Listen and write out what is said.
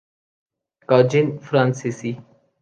کاجن فرانسیسی